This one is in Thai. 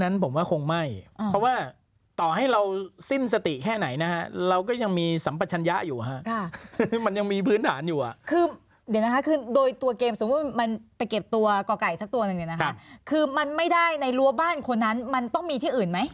ในรั้วบ้านคนนั้นมันต้องมีที่อื่นไหม